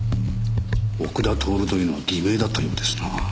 奥田徹というのは偽名だったようですな。